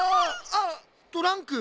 あっトランク。